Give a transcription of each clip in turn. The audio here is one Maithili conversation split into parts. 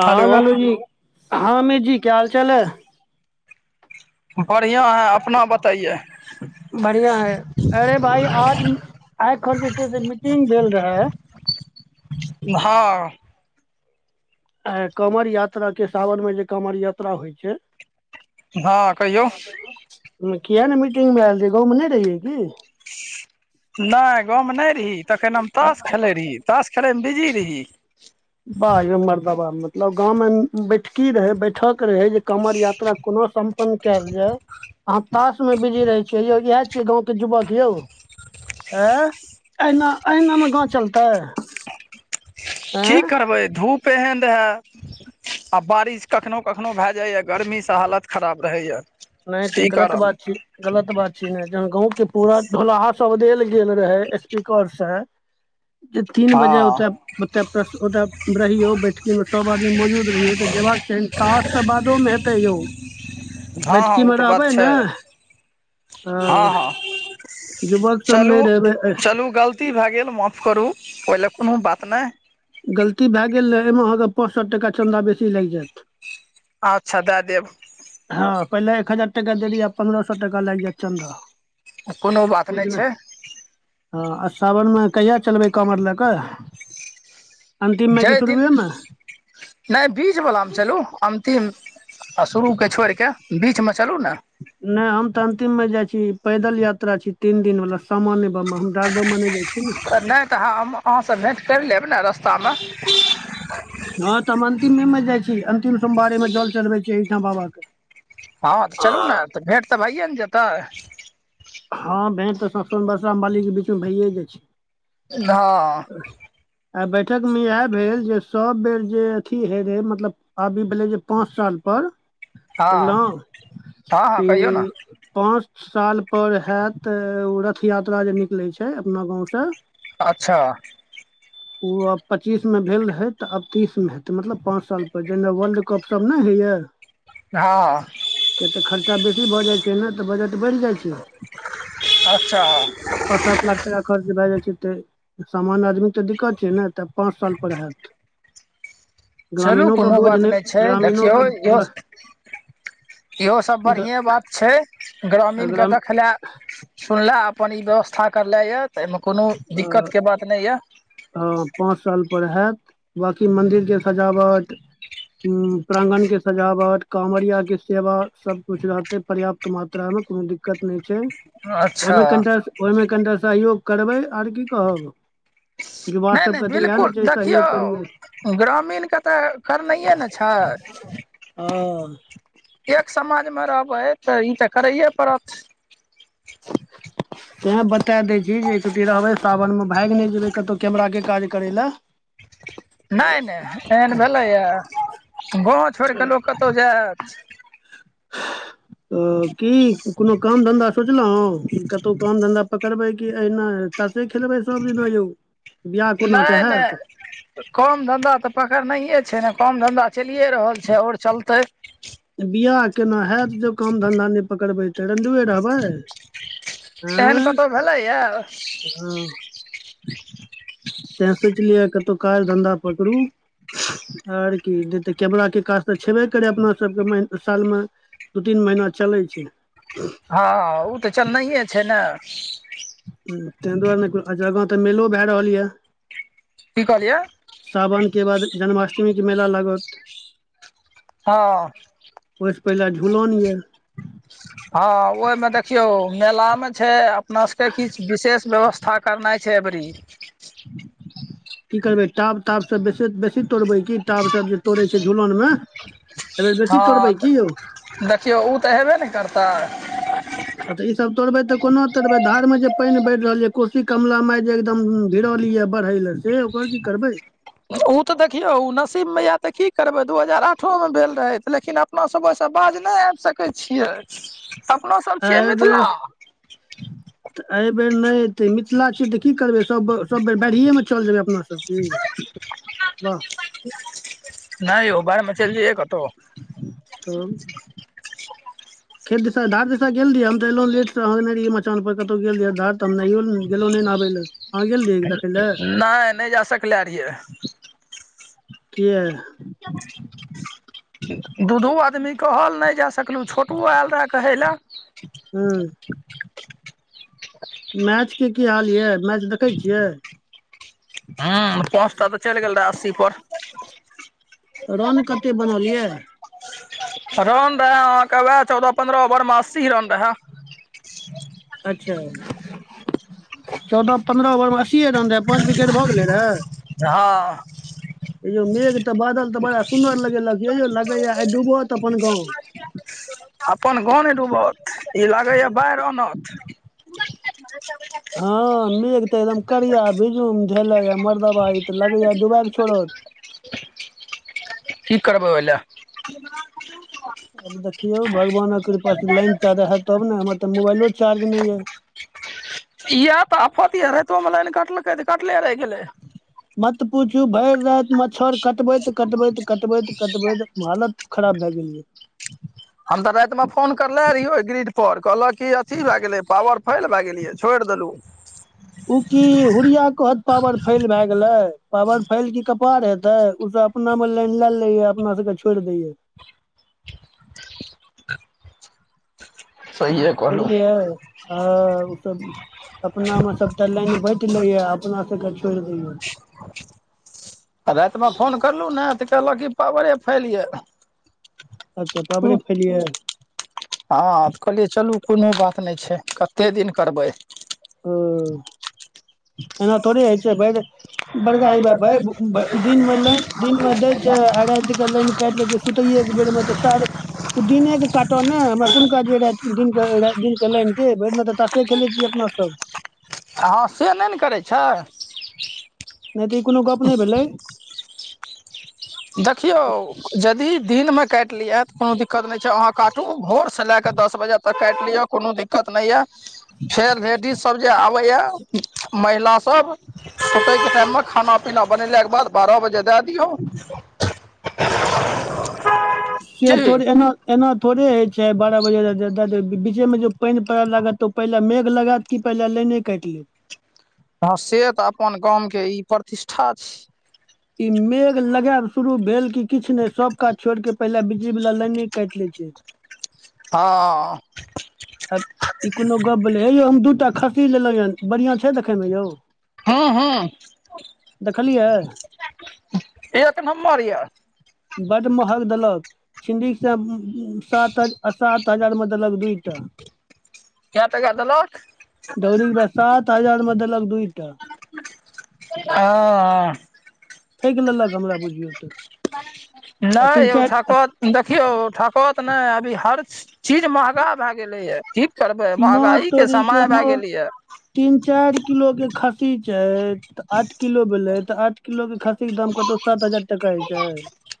हँ हेलो लालू जी हँमे जी क्या हाल चाल है बढ़िआं आऽ अपना बतइयै बढ़िया ऐ अरे भाई आज आइखन जे छै से मीटिंग भेल रहै हँ आ कामर यात्रा के सावन मे जे कामर यात्रा होइ छै हँ कहियौ किया नहि मीटिंग मे आयल रहियै गाँव मे नहि रहियै की नहि गाँवमे नहि रही तखन हम तास खेलै रहि तास खेलैमे बिजी रही बाह यो मरदबा मतलब गाँवमे बैठकी रहै बैठक रहै जे कमर यात्रा कोनो सम टैल जाय अहाँ तास मे बिजी रहे छियै यौ इएह छियै गाँव के जुवक यौ ए एहिना एहिनामे गाँव चलतै की एं करबै धूप एहन रहै आ बारिश कखनो कखनो भए जाइए गर्मीसँ हालत खराब रहैए नहि तऽ गलत बात छी गलत बात छै ने जहन गांव के पूरा ढोलाहा सब देल गेल रहे स्पीकर से [inaudible] जे तीन बजे हँ होतै ओते प्रश ओते रहियौ बैठकी मे सब आदमी मौजूद रहियो त जेयबाक चाही तास तऽ बादो में हेतै यौ हँ हँ बैठकी उ मे तऽ बात रहबै छै ने हँ हँ युवक सब नहि चलू रहबै चलू गल ती भए गेल माफ करू ओहिले कोनो बात नहि गलती भए गेल ने एहिमे अहाँके पाँच सौ टका चन्दा बेसी लागि जायत अच्छा दए देब हँ पहिले एक हजार टका देेली आ पन्द्रह सौ टका लागि जाएत चन्दा कोनो बात ठीक नहि ने छै हँ आ सावनमे कहिया चलबै कामर लए कऽ अन्तिममे कि जाहि दिन सुरुए मे नहि बीज बलामे चलू अन्तिम आ शुरू के छोड़ि के बीच मे चलु ने नहि हम तऽ अंतिममे जाइ छी पैदल यात्रा छी तीन दिन वाला सामान्य बम डाक बम मे नहि जाइ छिय ने त नहि तऽ अहाँस भेट कैर लेब ने रस्ता म हँ तऽ हम अंतिमेमे जाइ छी अंतिम सोमवारी मे जल चढ़बै छियै एहिठाम बाबा के हँ तऽ चलू ने तऽ भेँट तऽ भइए न जेतै हँ भैंट तऽ सबस बर्षा मालीके बीचमे भैए जाइ छै हँ आइ बैठक मे इएह भेल जे सब बेर जे अथी होे रहे मतलब आब ई भेलै जे पाँच सालपर हँ हँ हँ बुझलहुँ ई कहियौ ने पाँच सालपर हैत ओ रथ यात्रा जे निकलै छै अपना गाँवसँ अच्छा उ आब पच्चीस मे भेल रहै तऽ आब तीस मे हेतै मतलब पाँच साल पर जेना वर्ल्ड कप सब नय होइए हँ किए तऽ खर्चा बेसी भऽ जाइ छै ने तऽ बजट बैढ़ जाइ छै अच्छा पाच सात लाख टाका खर्च भए जाइ छै तऽ सामान आदमी तऽ दिक्कत छै ने तऽ पाँच साल पर होयत चलू कोनो बोझ बात नहि छै ग्रामीणो देखियौ के इहो ग्र- इहो सब ग्र- बढ़िएं बात छै ग्रामीण के ग्राम देखले सुनले अपन ई व्यवस्था करले ये तऽ एहिमे कोनो अ, दिक्कतके बात नहि यऽ हँ पाँच साल पर हैत बाकी मन्दिरके सजावट हूंम्म प्रांगण के सजावट काँवरिया के सेवा सब कुछ रहतै पर्याप्त मात्रामे कोनो दिक्कत नहि छै अच्छा ओहिमे कनिटा ओहिमे कनिटा सहयोग करबै आर की कहब युवा नहि नहि सबके तऽ इएह ने बिलकुल छै सहयोग करियै देखियौ ग्रामीणके तऽ करनाइए ने छै हँ एक समाजमे रहबै तऽ ई तऽ करैए पड़त [inaudible] तैँ बता दै छी जे चुकि रहबै सावनमे भाइग नहि जेबै कतौ केमराके काज करै लए नहि नहि एहन भेलैया या गँ ह [inaudible] [inaudible] ओ की कोनो काम धन्धा सोचलहुँ कतोह काम धन्धा पकड़बै कि एहिना तासेे खेलबै सब दिना यौ बियाह कोना नहि के हैत नहि काम धंधा तऽ पकड़नैये छै ने काम धंधा चलिए रहल छै ओर चलतै बिआह केना हयत जब काम धन्धा नहि पकड़बै तऽ रंडुए रहबै एहन आँय कतहु भेलैए ये हँ तैं सोचलियै कतहु काज धन्धा पकड़ू आर की नै त कैमरा के काज तऽ छेबे करे अपना सबके सालमे दू तीन महिना चलै छै हँ ऽ उ तऽ चलनैये छै ने ताहि दुआरे ने आगाँ तऽ मेलो भए रहल यए की कहलियै सावन के बाद जन्माष्टमी के मेला लागत हँ ओहि सँ पहिले झुलन यऽ हँ ओयमें देखियौ मेला मे छै अपना सबके किछ विशेष व्यवस्था करनाइ छै एबरी [inaudible] की करबै टाब ताभसभ बेस बेसी तोड़बै क टाभ सब जे तोड़ै छै झुलन में हँ देखियौ उ तऽ हेबे न करतै तऽ ईसभ तोड़बै तऽ कोना तोड़बै धार मे जे पानि बढ़ रहल य कोशी कमला माय जे एकद गिरैलिय बढ़ै ले से ओकर की करबै ओ तऽ देखियौ ओ नसीब मैया तऽ की करबै दू हजार आठो मे भेल रहै लेकिन अपना सब ओए से बाज नहि आब सकै छियै अपनो सब छियै एहि मिथिला बेर [unintelligible] तऽ एहि बेेर नै एते मिथिला छियै तऽ की करबै सब सब बेर बाढ़ियए मे चल जेबै अपना त की वाह नहि यौ बाहरमे चलि जइयै कतहु [unintelligible] तो खेत दिशा धार दिशा गेल रहिय हम तऽ एलँ लेटसँ अहा ने रहिय मचान पर कतहु गेल धार त हम नहियो ने गेलहुँ नहि न आबय लए अहाँ गेल रहियै देखै लए नहि नहि जा सकले रहियै किया दू दो आदमी कहल नहि जा सकलहुँ छोटु आयल रहऽ कहै लए हू मैच के की हाल यऽ मैच देखै छियै ह पाँच टा तऽ चलि गेल रहे अस्सी पर रन कते बनल यऽ रन रहे अहाँके वएह चौदह पन्द्रह ओवर में अस्सी रन रहे अच्छा चौदह पन्द्रह ओवर में अस्सीए रन रहै पाँच विकेट भऽ गेलै रहए जहाँ यौ मेघ तऽ बादल तऽ बड़ा सुन्दर लगेलक यौ लगैया आइ डूबौत अपन गाँव अपन गाँव नहि डूबत ई लागैया बाढ़ि आनत कि [unintelligible] हँ मेघ तऽ एकदम करिया बिजुम झेले य मरदवा तऽ लगे डुबाय के छोड़त की करबै ओहि लए आब देखियौ भगवानक कृपा लाइन टा रहे तब ने हमर तऽ मोबाइलो चार्ज नहि यऽ इएह तऽ आफत यै रातियो में लाइन कटलकै तऽ कटले रहि गेलै मत पूछू भरि राति मच्छर कटबैत कटबैत कटबैत कटबै तऽ म हालत खराब भए गेलियै हम तऽ राति में फोन करले रहियो ग्रिड पर कहलक की अथी भए गेलै पावर फैल भए गेलियै छोड़ि देलहुँ उ की हुरिया कहत पावर फैल भए गेले पावर फैल की कपार हेते उसब अपना मे लाईन लले या अपना सबके के छोड़ि दय या सहिए कहलु बुझलियै आ ओ सब अपनामे सब लाइन बैट लैया अपना सबके छोड़ दैया आ रातिमे फोन करलहुँ ने तऽ कहलक ई पावरे फैल यए अच्छा पाबड़े फलियै हँ ऽ कहलियै चलू कोनो बात नहि छै कतेक दिन करबै ओ [inaudible] एना थोड़े होइ छै भरि बद्घाई भाई ह हँ भ दिन मे दिन मे दै [unintelligible] अ राति क लाईन काट लै छै सुतैये के बेर में त सार ओ दिने क काट ने हमरा कोन काज राति दिन के लाइन के भैर दीन त तासे खेले छी अपना सभ हँ से नइ नइ करै छै नइ तऽ ई कोनो गप्प नइ भेलै देखियौ जदि दिनमे काटि लिआत कोनो दिक्कत नइ छै अहाँ काटू भोर से लए क दस बजे तक काटि लिय कोनो दिक्क कत नइऽय फेर लेडीज सब जे आबेय महिला सब सुतै के टाइम मे खाना पीना बनेलाक के बाद बारह बजे दए दियो [inaudible] के की थोड़े एना एना थोड़े होय छै बारह बजे बीचे मे जो पानि पड़ै लागत तो ओ पहिले मेघ लगेत की पहिले लाइने काइट लेत ह से तऽ अपन गाम के ई प्रतिष्ठा छि ई मेघ लगायब शुरू भेल क किछु ने सब काज छोड़ के पहिले बिजली वाला लाइने काटि लै छै हँ आब ई कोनो गप्प भेलै हे यौ हम दू टा खस्सी लेलहुँ ये बढ़िआं छै देखय में यौ हं हं देखलियै एक नम्बर यऽ बड्ड महग देलक छिंडीकसँ सात सात हजार म देलक दूइटा कए टाका देलक दौरी के बाइ सात हजार मे देलक दूइटा ह ठकि लेलक हमरा बुझियौ तऽ आ नइ तीन यौ चारि ठकत देखियौ ठकत नै अभी हर चीज महगा भए गेलै य कि कि करबै माँ महँगाई के तोरीके समय भए माँ गेलैए तीन चारि किलो के खस्सी छै तऽ आठ किलो भेलै तऽ आठ किलो के खस्सी के दाम कतौ सात हजार टका होय छै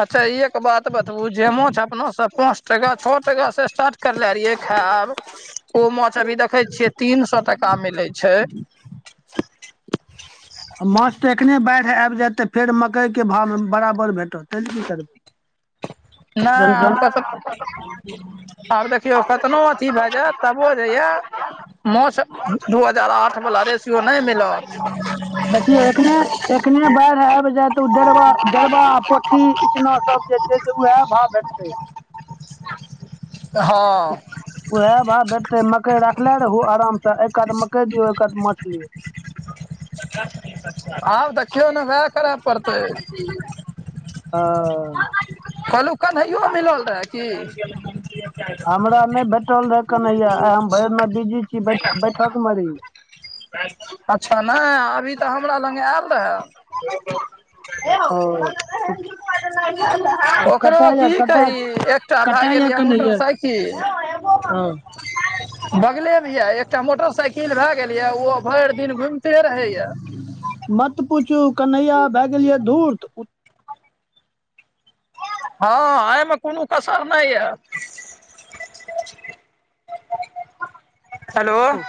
अच्छा ई एक बात बतबू जे माछ अपना से पाँच टका छओ टका स्टार्ट करले रहियै खायब ओ माछ अभी देखै छियै तीन सौ टाका मिलै छै आ माछ तऽ एखने बाढ़ि आबि जायत तऽ फेर मकइ के भाव बराबर भेटत तै ले कि करबै नइ जन आर कस जन [unintelligible] आब देखियौ कतनो अथी भए जायत तबो जे या माछ दू हजार आठ वला रेसियो नइ मिलत देखिऔ एखने एखने बाढ़ि आबि जाय तऽ ओ डेरबा डेरबा आ पोठी इचना सब जे छै से उएह भाव भेटतै ह हँ [inaudible] उएह भाव भेटतै मकई राखनेे रहु आराम से एक कात मकई दियौ एक कात माछ लिय आब देखियौ ने उएह करय पड़तै हँ कहलुं कन्हैइओ मिलल रहए की हमरा नइ भेटल रहय कन्हैया आइ हम भरिन बिजी छी बैठ बैठक मे रही अच्छा नइ अभी तऽ हमरा लंग आयल रहय भ [inaudible] ओ ओकरो कतऽ यऽ की कही कतऽ एकटा भए कतऽ गेल यऽ कन्हैया मोटरसाइकिल हँ बगले में य एकटा मोटरसाइकिल भए गेल ये ओ भरि दिन घुम ते रहैया मत पूछू कन्हैया भए गेलियै धूर्त हँ अईमे कोनो कसर नइ अयऽ हैलो [inaudible]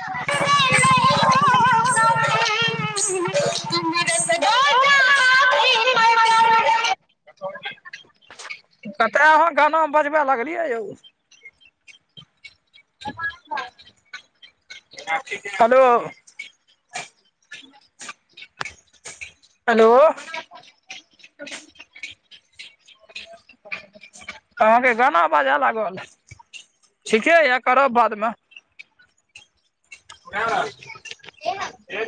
[inaudible] त [inaudible] त अहूॅं गाना बजबै लगलियै यौ हलो हेलो अहाँ के गाना बाजय लागल ठीके यऽ करब बाद मे हँ [unintelligible]